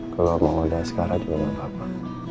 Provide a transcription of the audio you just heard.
kalau mau ada asgara juga gakpapa